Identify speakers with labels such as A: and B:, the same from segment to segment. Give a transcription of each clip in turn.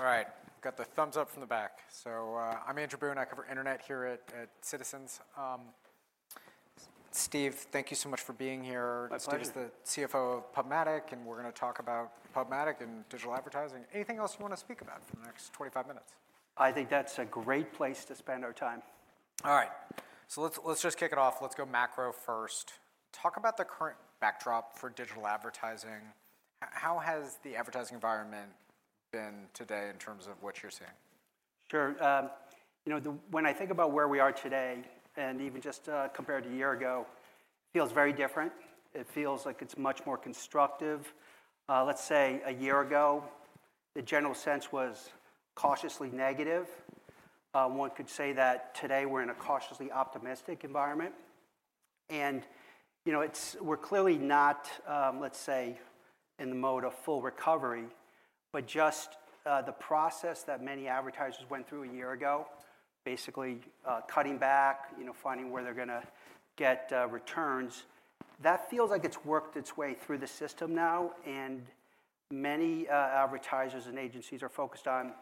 A: All right, got the thumbs up from the back. So, I'm Andrew Boone, I cover internet here at, at Citizens. Steve, thank you so much for being here.
B: My pleasure.
A: Steve is the CFO of PubMatic, and we're gonna talk about PubMatic and digital advertising. Anything else you wanna speak about for the next 25 minutes?
B: I think that's a great place to spend our time.
A: All right. So let's, let's just kick it off, let's go macro first. Talk about the current backdrop for digital advertising. How has the advertising environment been today in terms of what you're seeing?
B: Sure. You know, when I think about where we are today, and even just compared to a year ago, it feels very different. It feels like it's much more constructive. Let's say a year ago, the general sense was cautiously negative. One could say that today we're in a cautiously optimistic environment, and you know, we're clearly not, let's say, in the mode of full recovery, but just the process that many advertisers went through a year ago, basically cutting back, you know, finding where they're gonna get returns, that feels like it's worked its way through the system now, and many advertisers and agencies are focused on,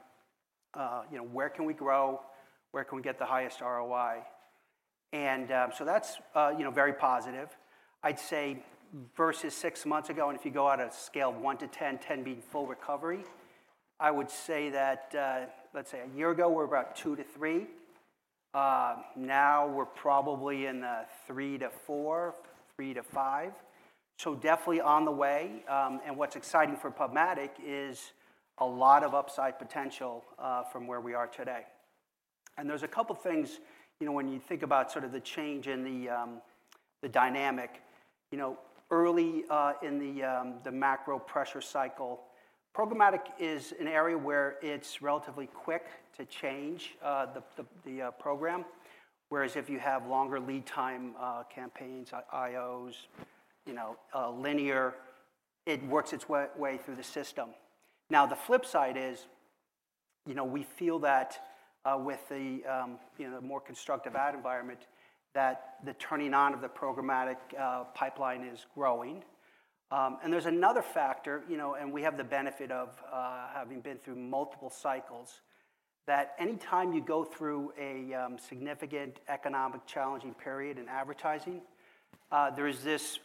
B: you know, where can we grow? Where can we get the highest ROI? And so that's, you know, very positive. I'd say versus six months ago, and if you go on a scale of 1-10, 10 being full recovery, I would say that, let's say a year ago we were about 2-3, now we're probably in the 3-4, 3-5, so definitely on the way. And what's exciting for PubMatic is a lot of upside potential, from where we are today. And there's a couple things, you know, when you think about sort of the change in the dynamic, you know, early in the macro pressure cycle, programmatic is an area where it's relatively quick to change the program, whereas if you have longer lead time campaigns, IOs, you know, linear, it works its way through the system. Now, the flip side is, you know, we feel that, with the, you know, more constructive ad environment, that the turning on of the programmatic pipeline is growing. And there's another factor, you know, and we have the benefit of, having been through multiple cycles, that any time you go through a significant economic challenging period in advertising, there is this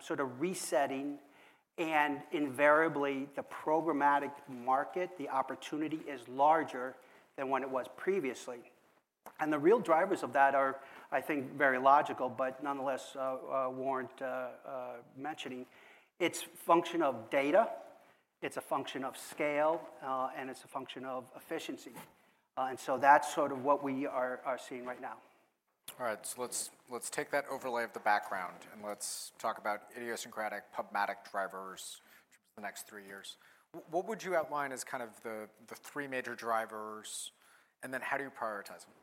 B: sort of resetting, and invariably, the programmatic market, the opportunity is larger than when it was previously. And the real drivers of that are, I think, very logical, but nonetheless, warrant mentioning. It's function of data, it's a function of scale, and it's a function of efficiency. And so that's sort of what we are seeing right now.
A: All right, so let's, let's take that overlay of the background and let's talk about idiosyncratic PubMatic drivers for the next three years. What would you outline as kind of the three major drivers, and then how do you prioritize them?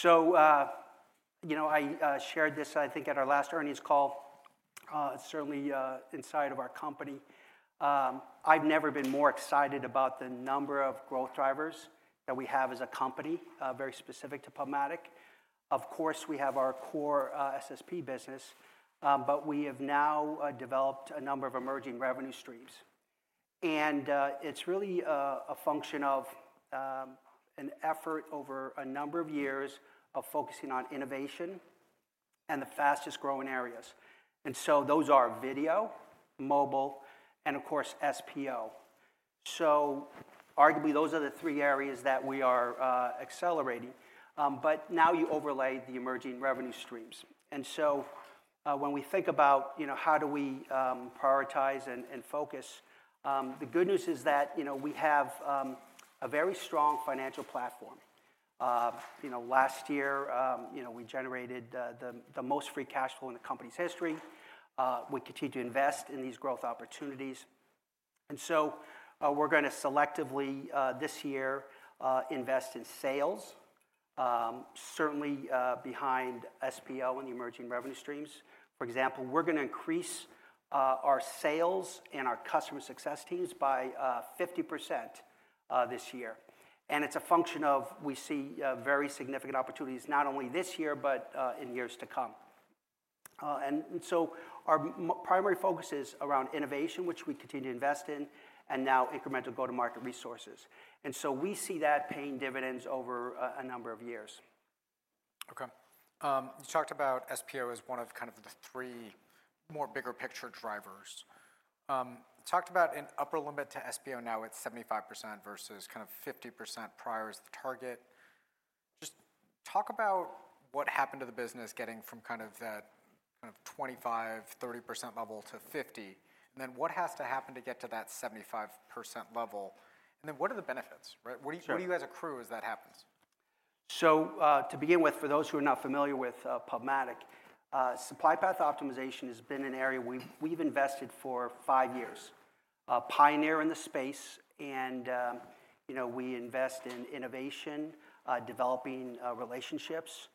B: So, you know, I shared this, I think, at our last earnings call, certainly inside of our company. I've never been more excited about the number of growth drivers that we have as a company, very specific to PubMatic. Of course, we have our core SSP business, but we have now developed a number of emerging revenue streams. And it's really a function of an effort over a number of years of focusing on innovation and the fastest growing areas. And so those are video, mobile, and of course, SPO. So arguably, those are the three areas that we are accelerating. But now you overlay the emerging revenue streams. And so, when we think about, you know, how do we prioritize and focus, the good news is that, you know, we have a very strong financial platform. You know, last year, you know, we generated the most free cash flow in the company's history. We continue to invest in these growth opportunities. And so, we're gonna selectively this year invest in sales, certainly behind SPO and the emerging revenue streams. For example, we're gonna increase our sales and our customer success teams by 50% this year. And it's a function of we see very significant opportunities, not only this year, but in years to come. And so our primary focus is around innovation, which we continue to invest in, and now incremental go-to-market resources. And so we see that paying dividends over a number of years.
A: Okay. You talked about SPO as one of kind of the three more bigger picture drivers. You talked about an upper limit to SPO now at 75% versus kind of 50% prior as the target. Just talk about what happened to the business, getting from kind of that, kind of 25%-30% level to 50, and then what has to happen to get to that 75% level? And then what are the benefits, right?
B: Sure.
A: What do you guys accrue as that happens?
B: So, to begin with, for those who are not familiar with PubMatic, Supply Path Optimization has been an area we've invested for five years. A pioneer in the space, and, you know, we invest in innovation, developing relationships,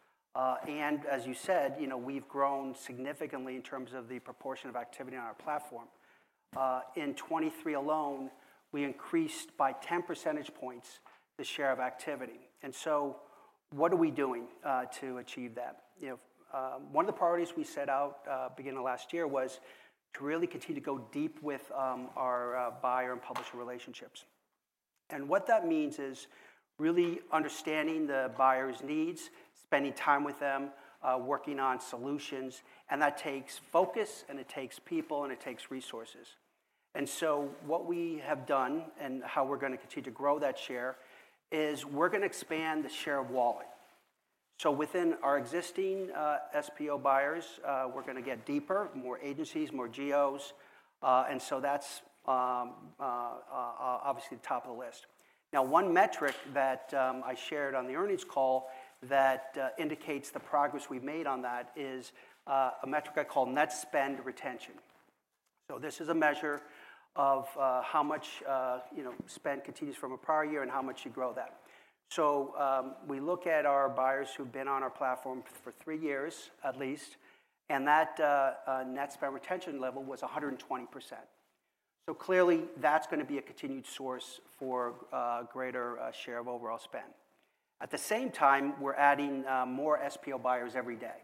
B: and as you said, you know, we've grown significantly in terms of the proportion of activity on our platform. In 2023 alone, we increased by 10 percentage points the share of activity, and so—what are we doing to achieve that? You know, one of the priorities we set out, beginning of last year was to really continue to go deep with our buyer and publisher relationships. And what that means is really understanding the buyer's needs, spending time with them, working on solutions, and that takes focus, and it takes people, and it takes resources. And so what we have done and how we're gonna continue to grow that share is we're gonna expand the share of wallet. So within our existing SPO buyers, we're gonna get deeper, more agencies, more geos. And so that's obviously the top of the list. Now, one metric that I shared on the earnings call that indicates the progress we've made on that is a metric I call Net Spend Retention. So this is a measure of how much, you know, spend continues from a prior year and how much you grow that. So we look at our buyers who've been on our platform for three years at least, and that Net Spend Retention level was 120%. So clearly, that's gonna be a continued source for greater share of overall spend. At the same time, we're adding more SPO buyers every day,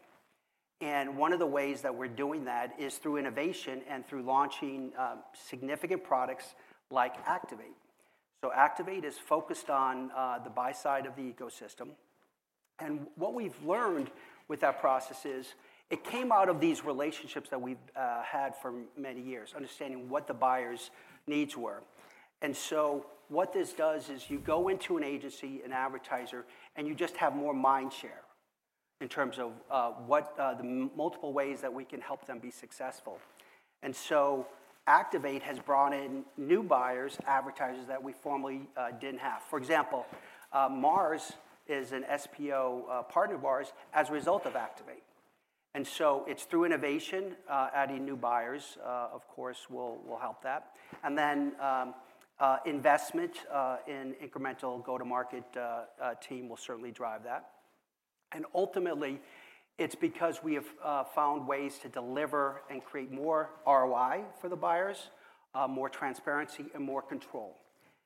B: and one of the ways that we're doing that is through innovation and through launching significant products like Activate. So Activate is focused on the buy side of the ecosystem, and what we've learned with that process is it came out of these relationships that we've had for many years, understanding what the buyers' needs were. And so what this does is you go into an agency, an advertiser, and you just have more mind share in terms of what the multiple ways that we can help them be successful. And so Activate has brought in new buyers, advertisers that we formerly didn't have. For example, Mars is an SPO partner of ours as a result of Activate, and so it's through innovation. Adding new buyers, of course, will help that. And then, investment in incremental go-to-market team will certainly drive that. And ultimately, it's because we have found ways to deliver and create more ROI for the buyers, more transparency and more control,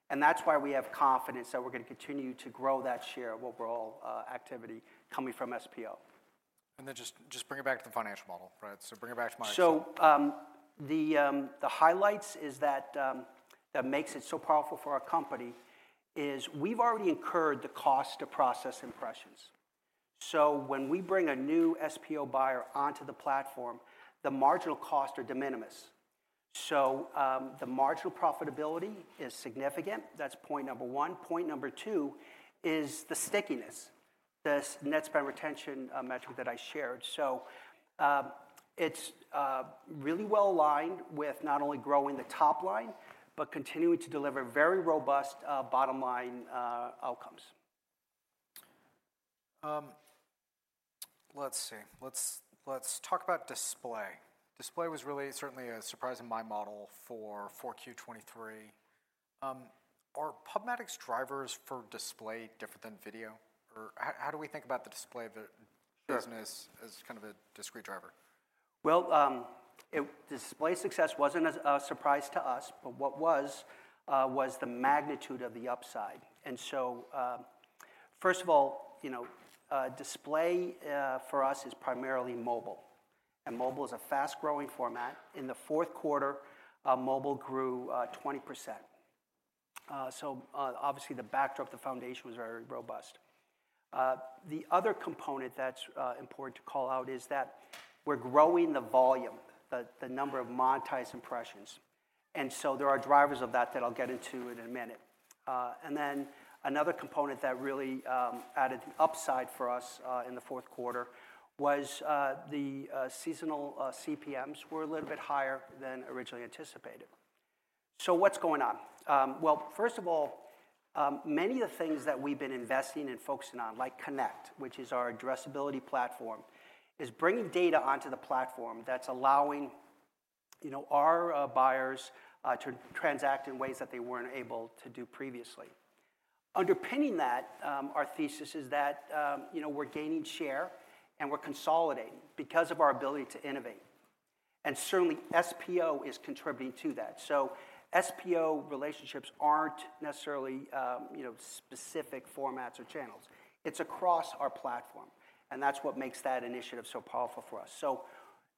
B: and that's why we have confidence that we're gonna continue to grow that share of overall activity coming from SPO.
A: And then just bring it back to the financial model, right? So bring it back to my-
B: So, the highlights is that that makes it so powerful for our company is we've already incurred the cost to process impressions. So when we bring a new SPO buyer onto the platform, the marginal cost are de minimis. So, the marginal profitability is significant. That's point number one. Point number two is the stickiness, this Net Spend Retention metric that I shared. So, it's really well aligned with not only growing the top line but continuing to deliver very robust, bottom line outcomes.
A: Let's see. Let's talk about display. Display was really certainly a surprise in my model for 4Q 2023. Are PubMatic's drivers for display different than video, or how do we think about the display of the-
B: Sure...
A: business as kind of a discrete driver?
B: Well, display success wasn't as a surprise to us, but what was was the magnitude of the upside. And so, first of all, you know, display for us is primarily mobile, and mobile is a fast-growing format. In the fourth quarter, mobile grew 20%. So, obviously, the backdrop, the foundation was very robust. The other component that's important to call out is that we're growing the volume, the number of monetized impressions, and so there are drivers of that that I'll get into in a minute. And then another component that really added upside for us in the fourth quarter was the seasonal CPMs were a little bit higher than originally anticipated. So what's going on? Well, first of all, many of the things that we've been investing and focusing on, like Connect, which is our addressability platform, is bringing data onto the platform that's allowing, you know, our buyers to transact in ways that they weren't able to do previously. Underpinning that, our thesis is that, you know, we're gaining share, and we're consolidating because of our ability to innovate, and certainly SPO is contributing to that. So SPO relationships aren't necessarily, you know, specific formats or channels. It's across our platform, and that's what makes that initiative so powerful for us. So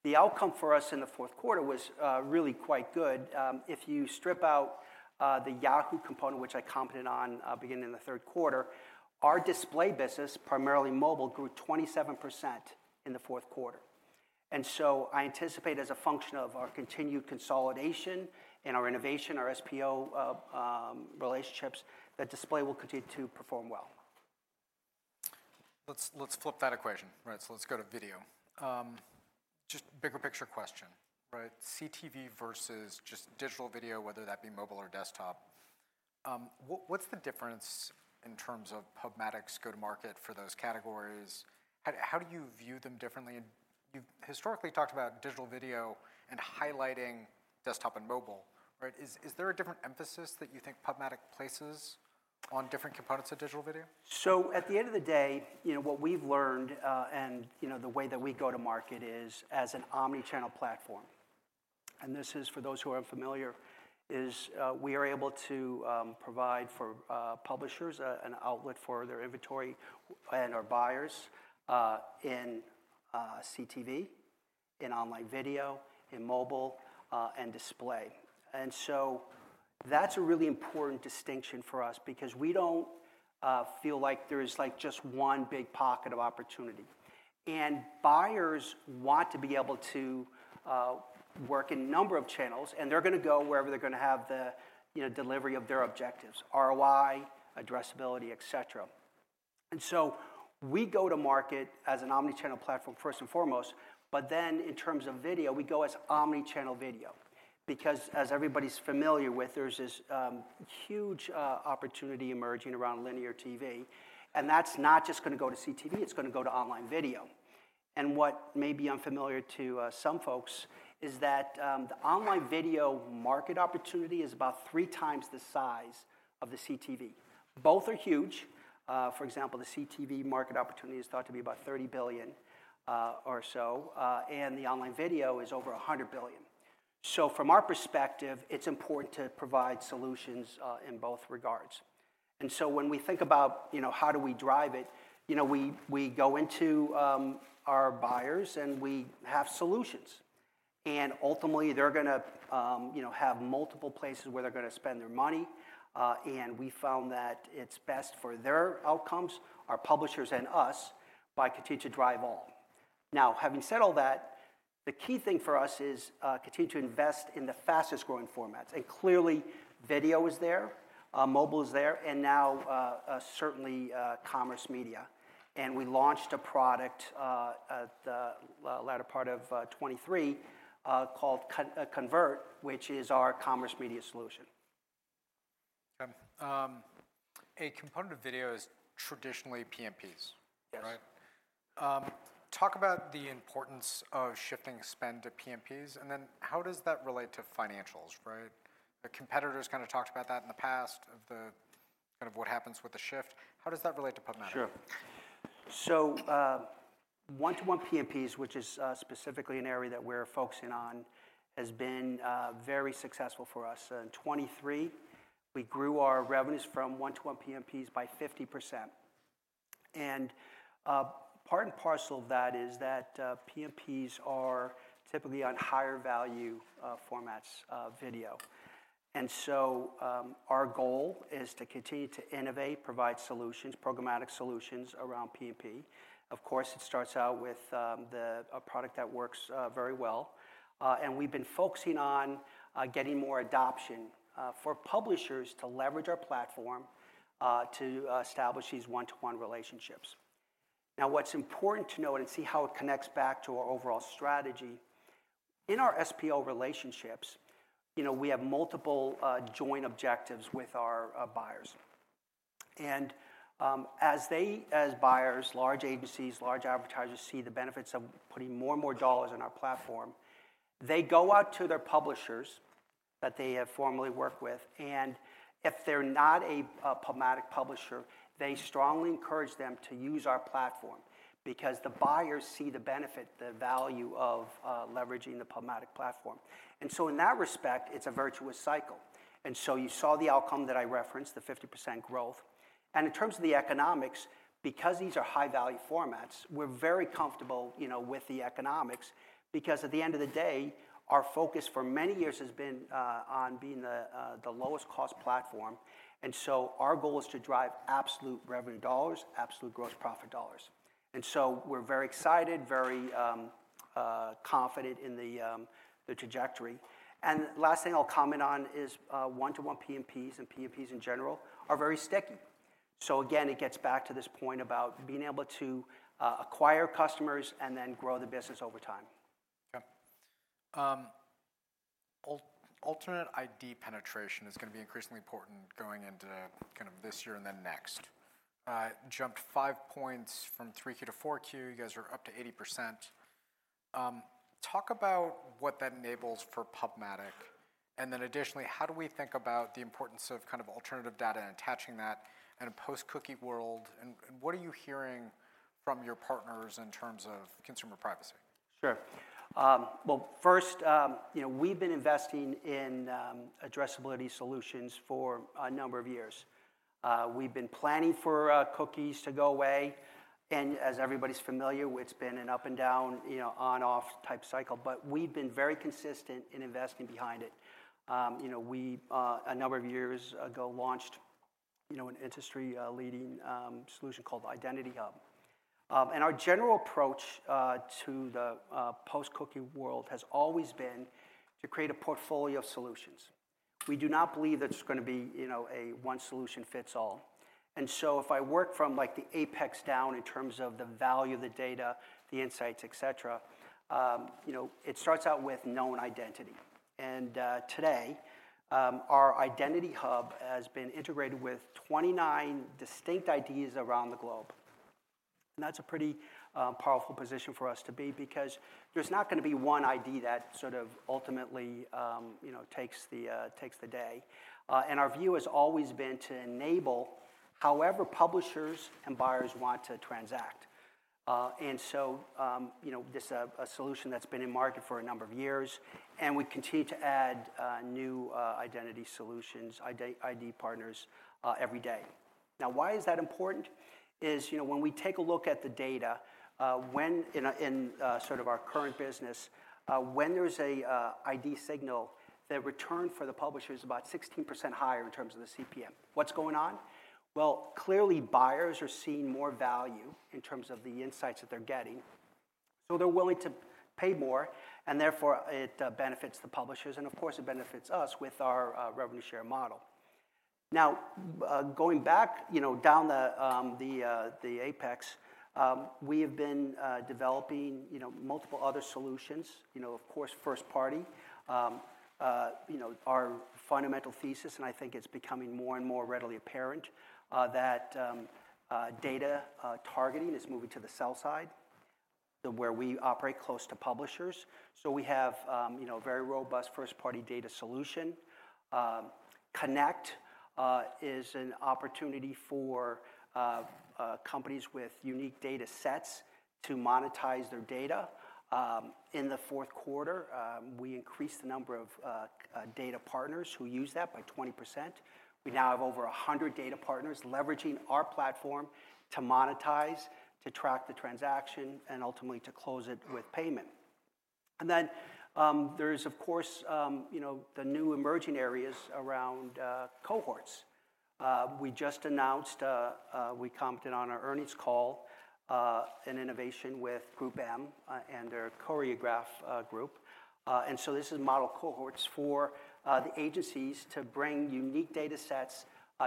B: the outcome for us in the fourth quarter was really quite good. If you strip out the Yahoo component, which I commented on beginning in the third quarter, our display business, primarily mobile, grew 27% in the fourth quarter. So I anticipate as a function of our continued consolidation and our innovation, our SPO relationships, that display will continue to perform well.
A: Let's flip that equation. Right, so let's go to video. Just bigger picture question, right? CTV versus just digital video, whether that be mobile or desktop, what's the difference in terms of PubMatic's go-to-market for those categories? How do you view them differently? You've historically talked about digital video and highlighting desktop and mobile, right? Is there a different emphasis that you think PubMatic places on different components of digital video?
B: So at the end of the day, you know, what we've learned and you know the way that we go to market is as an omnichannel platform. And this is for those who are unfamiliar. We are able to provide for publishers an outlet for their inventory and our buyers in CTV, in online video, in mobile, and display. And so that's a really important distinction for us because we don't feel like there's like just one big pocket of opportunity. And buyers want to be able to work in a number of channels, and they're going to go wherever they're going to have the you know delivery of their objectives, ROI, et cetera. We go to market as an omnichannel platform first and foremost, but then in terms of video, we go as omnichannel video. Because as everybody's familiar with, there's this huge opportunity emerging around linear TV, and that's not just going to go to CTV, it's going to go to online video. And what may be unfamiliar to some folks is that the online video market opportunity is about three times the size of the CTV. Both are huge. For example, the CTV market opportunity is thought to be about $30 billion or so, and the online video is over $100 billion. So from our perspective, it's important to provide solutions in both regards. And so when we think about, you know, how do we drive it, you know, we go into our buyers and we have solutions. And ultimately, they're gonna, you know, have multiple places where they're going to spend their money, and we found that it's best for their outcomes, our publishers and us, by continue to drive all. Now, having said all that, the key thing for us is, continue to invest in the fastest growing formats. And clearly, video is there, mobile is there, and now, certainly, commerce media. And we launched a product, at the latter part of, 2023, called Convert, which is our commerce media solution.
A: Okay. A component of video is traditionally PMPs-
B: Yes.
A: Right? Talk about the importance of shifting spend to PMPs, and then how does that relate to financials, right? The competitors kind of talked about that in the past, of the kind of what happens with the shift. How does that relate to PubMatic?
B: Sure. So, one-to-one PMPs, which is specifically an area that we're focusing on, has been very successful for us. In 2023, we grew our revenues from one-to-one PMPs by 50%. And, part and parcel of that is that, PMPs are typically on higher value formats, video. And so, our goal is to continue to innovate, provide solutions, programmatic solutions around PMP. Of course, it starts out with a product that works very well, and we've been focusing on getting more adoption for publishers to leverage our platform to establish these one-to-one relationships. Now, what's important to note and see how it connects back to our overall strategy, in our SPO relationships, you know, we have multiple joint objectives with our buyers. And as they, as buyers, large agencies, large advertisers see the benefits of putting more and more dollars on our platform, they go out to their publishers that they have formerly worked with, and if they're not a PubMatic publisher, they strongly encourage them to use our platform because the buyers see the benefit, the value of leveraging the PubMatic platform. And so in that respect, it's a virtuous cycle. And so you saw the outcome that I referenced, the 50% growth. And in terms of the economics, because these are high-value formats, we're very comfortable, you know, with the economics, because at the end of the day, our focus for many years has been on being the lowest cost platform. And so our goal is to drive absolute revenue dollars, absolute gross profit dollars. And so we're very excited, very confident in the trajectory. And last thing I'll comment on is one-to-one PMPs and PMPs in general are very sticky. So again, it gets back to this point about being able to acquire customers and then grow the business over time.
A: Okay. Alternative ID penetration is going to be increasingly important going into kind of this year and then next. It jumped five points from 3Q-4Q. You guys are up to 80%. Talk about what that enables for PubMatic, and then additionally, how do we think about the importance of kind of alternative data and attaching that in a post-cookie world, and what are you hearing from your partners in terms of consumer privacy?
B: Sure. Well, first, you know, we've been investing in addressability solutions for a number of years. We've been planning for cookies to go away, and as everybody's familiar, it's been an up and down, you know, on, off type cycle, but we've been very consistent in investing behind it. You know, we a number of years ago launched you know an industry leading solution called Identity Hub. And our general approach to the post-cookie world has always been to create a portfolio of solutions. We do not believe that it's gonna be, you know, a one solution fits all. And so if I work from like the apex down in terms of the value of the data, the insights, et cetera, you know, it starts out with known identity. And today, our Identity Hub has been integrated with 29 distinct IDs around the globe. And that's a pretty powerful position for us to be because there's not going to be one ID that sort of ultimately, you know, takes the day. And our view has always been to enable however publishers and buyers want to transact.... And so, you know, this a solution that's been in market for a number of years, and we continue to add new identity solutions, ID partners every day. Now, why is that important? Is, you know, when we take a look at the data, when in a, in sort of our current business, when there's a ID signal, the return for the publisher is about 16% higher in terms of the CPM. What's going on? Well, clearly buyers are seeing more value in terms of the insights that they're getting, so they're willing to pay more, and therefore it benefits the publishers, and of course it benefits us with our revenue share model. Now, going back, you know, down the apex, we have been developing, you know, multiple other solutions. You know, of course, first-party. You know, our fundamental thesis, and I think it's becoming more and more readily apparent that data targeting is moving to the sell side, the where we operate close to publishers. So we have, you know, very robust first-party data solution. Connect is an opportunity for companies with unique data sets to monetize their data. In the fourth quarter, we increased the number of data partners who use that by 20%. We now have over 100 data partners leveraging our platform to monetize, to track the transaction, and ultimately to close it with payment. And then, there is of course, you know, the new emerging areas around cohorts. We just announced, we commented on our earnings call, an innovation with GroupM, and their Choreograph group. And so this is model cohorts for the agencies to bring unique data sets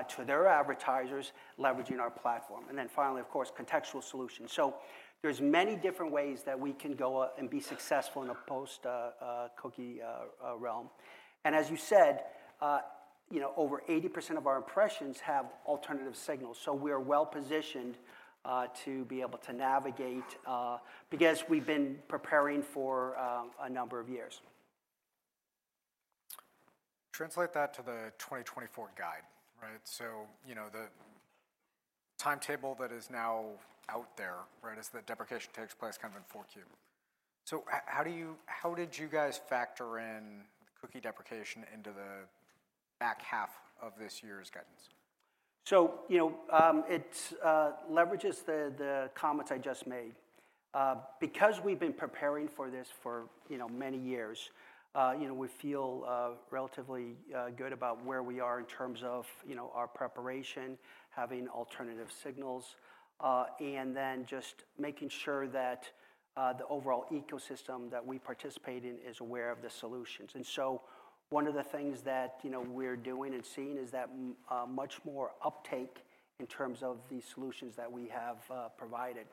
B: to their advertisers, leveraging our platform. And then finally, of course, contextual solutions. So there's many different ways that we can go out and be successful in a post-cookie realm. As you said, you know, over 80% of our impressions have alternative signals, so we are well-positioned to be able to navigate because we've been preparing for a number of years.
A: Translate that to the 2024 guidance, right? So, you know, the timetable that is now out there, right, is that deprecation takes place kind of in Q4. So how did you guys factor in cookie deprecation into the back half of this year's guidance?
B: So, you know, it leverages the comments I just made. Because we've been preparing for this for, you know, many years, you know, we feel relatively good about where we are in terms of, you know, our preparation, having alternative signals, and then just making sure that the overall ecosystem that we participate in is aware of the solutions. So one of the things that, you know, we're doing and seeing is that much more uptake in terms of the solutions that we have provided.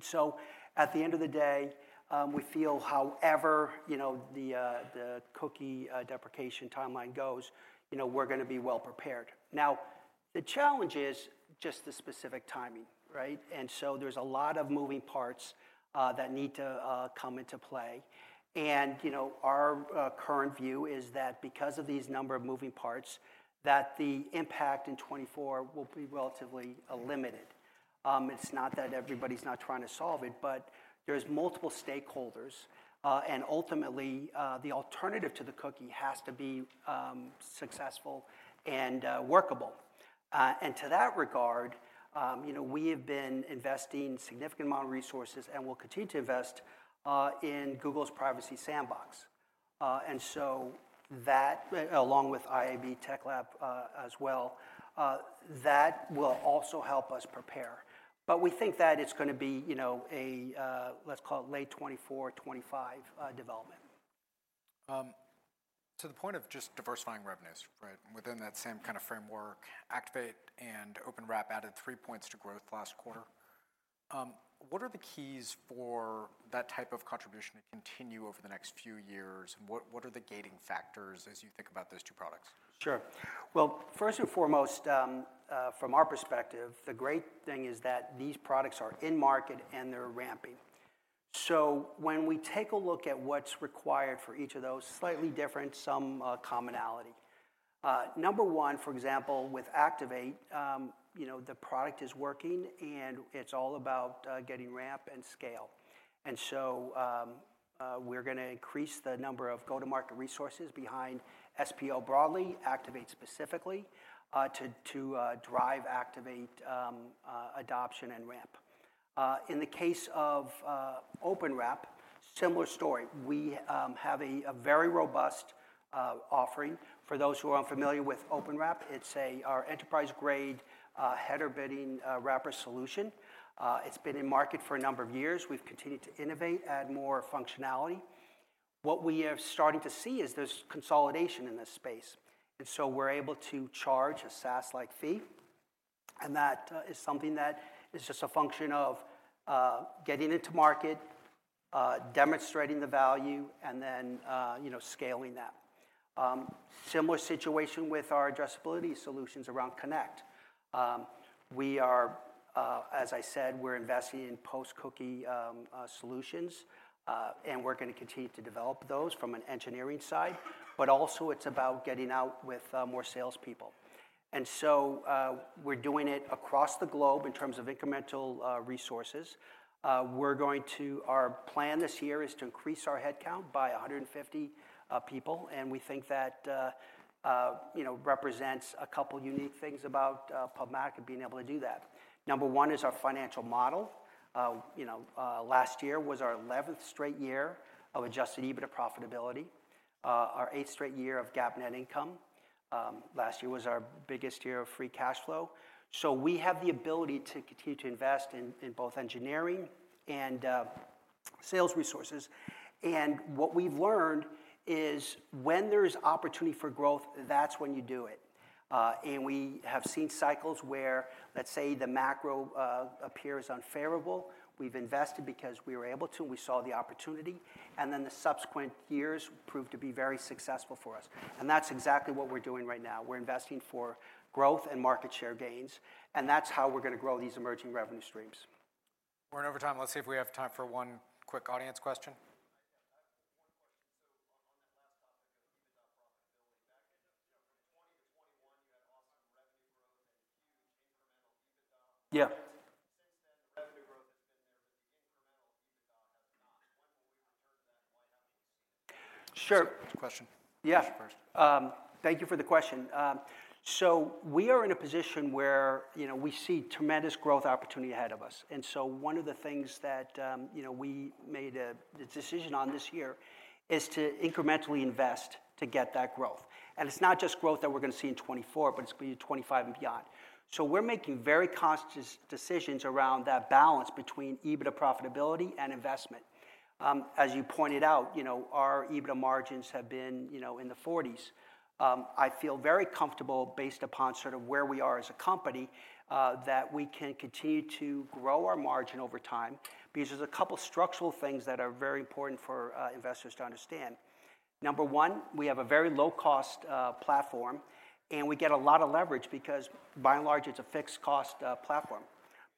B: So at the end of the day, we feel, however, you know, the cookie deprecation timeline goes, you know, we're gonna be well prepared. Now, the challenge is just the specific timing, right? And so there's a lot of moving parts that need to come into play. And, you know, our current view is that because of these number of moving parts, that the impact in 2024 will be relatively limited. It's not that everybody's not trying to solve it, but there's multiple stakeholders, and ultimately, the alternative to the cookie has to be successful and workable. And to that regard, you know, we have been investing significant amount of resources, and will continue to invest, in Google's Privacy Sandbox. And so that, along with IAB Tech Lab, as well, that will also help us prepare. But we think that it's gonna be, you know, a let's call it late 2024 or 2025, development.
A: To the point of just diversifying revenues, right? Within that same kind of framework, Activate and OpenWrap added three points to growth last quarter. What are the keys for that type of contribution to continue over the next few years, and what, what are the gating factors as you think about those two products?
B: Sure. Well, first and foremost, from our perspective, the great thing is that these products are in market, and they're ramping. So when we take a look at what's required for each of those, slightly different, some commonality. Number one, for example, with Activate, you know, the product is working, and it's all about getting ramp and scale. And so, we're gonna increase the number of go-to-market resources behind SPO broadly, Activate specifically, to drive Activate adoption and ramp. In the case of OpenWrap, similar story, we have a very robust offering. For those who are unfamiliar with OpenWrap, it's our enterprise-grade header bidding wrapper solution. It's been in market for a number of years. We've continued to innovate, add more functionality. What we are starting to see is there's consolidation in this space, and so we're able to charge a SaaS-like fee, and that is something that is just a function of getting it to market, demonstrating the value, and then, you know, scaling that. Similar situation with our addressability solutions around Connect. We are, as I said, we're investing in post-cookie solutions, and we're gonna continue to develop those from an engineering side, but also it's about getting out with more salespeople. And so, we're doing it across the globe in terms of incremental resources. Our plan this year is to increase our headcount by 150 people, and we think that, you know, represents a couple unique things about PubMatic and being able to do that. Number one is our financial model. You know, last year was our 11th straight year of Adjusted EBITDA profitability, our 8th straight year of GAAP net income. Last year was our biggest year of Free Cash Flow. So we have the ability to continue to invest in both engineering and sales resources, and what we've learned is when there is opportunity for growth, that's when you do it. And we have seen cycles where, let's say, the macro appears unfavorable. We've invested because we were able to, and we saw the opportunity, and then the subsequent years proved to be very successful for us. And that's exactly what we're doing right now. We're investing for growth and market share gains, and that's how we're gonna grow these emerging revenue streams.
A: We're in overtime. Let's see if we have time for one quick audience question.
C: I have one question. So on that last topic of EBITDA profitability, back in, you know, from 2020-2021, you had awesome revenue growth and huge incremental EBITDA.
B: Yeah.
C: Since then, the revenue growth has been there, but the incremental EBITDA has not. When will we return to that, and why haven't we seen-
B: Sure.
A: Good question.
B: Yeah.
A: You first.
B: Thank you for the question. So we are in a position where, you know, we see tremendous growth opportunity ahead of us, and so one of the things that, you know, we made the decision on this year is to incrementally invest to get that growth. It's not just growth that we're gonna see in 2024, but it's gonna be in 2025 and beyond. So we're making very conscious decisions around that balance between EBITDA profitability and investment. As you pointed out, you know, our EBITDA margins have been, you know, in the 40s. I feel very comfortable, based upon sort of where we are as a company, that we can continue to grow our margin over time because there's a couple structural things that are very important for investors to understand. Number one, we have a very low-cost platform, and we get a lot of leverage because by and large, it's a fixed-cost platform,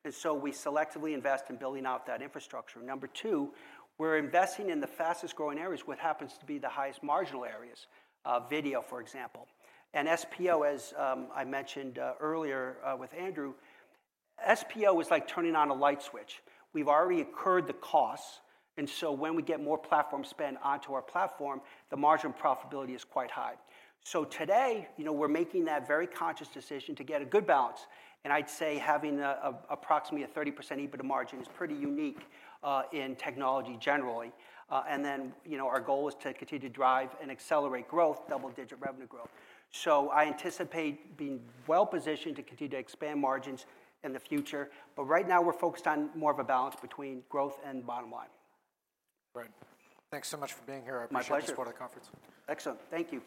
B: and so we selectively invest in building out that infrastructure. Number two, we're investing in the fastest-growing areas, what happens to be the highest marginal areas, video, for example. And SPO, as I mentioned earlier with Andrew, SPO is like turning on a light switch. We've already incurred the costs, and so when we get more platform spend onto our platform, the margin profitability is quite high. So today, you know, we're making that very conscious decision to get a good balance, and I'd say having approximately a 30% EBITDA margin is pretty unique in technology generally. And then, you know, our goal is to continue to drive and accelerate growth, double-digit revenue growth. I anticipate being well-positioned to continue to expand margins in the future, but right now we're focused on more of a balance between growth and bottom line.
A: Great. Thanks so much for being here.
B: My pleasure.
A: I appreciate you for the conference.
B: Excellent. Thank you.